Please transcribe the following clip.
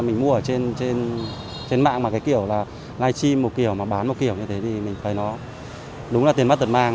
mình mua ở trên mạng mà cái kiểu là livestream một kiểu mà bán một kiểu như thế thì mình thấy nó đúng là tiền mất tuần mang